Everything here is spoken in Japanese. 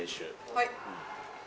はい。